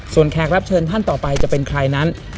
แขกรับเชิญท่านต่อไปจะเป็นใครนั้น